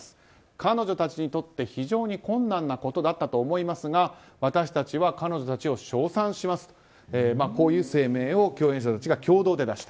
彼女たちにとって非常に困難なことだったと思いますが私たちは彼女たちを称賛しますとこういう声明を共演者たちが共同で出した。